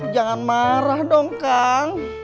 jangan marah dong kak